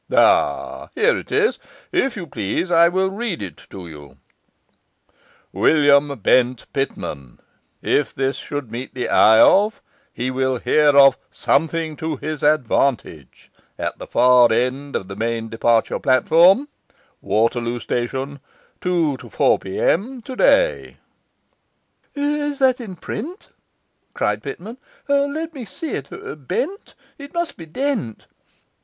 Ah, here it is. If you please, I will read it to you: WILIAM BENT PITMAN, if this should meet the eye of, he will hear of SOMETHING TO HIS ADVANTAGE at the far end of the main line departure platform, Waterloo Station, 2 to 4 P.M. today. 'Is that in print?' cried Pitman. 'Let me see it! Bent? It must be Dent!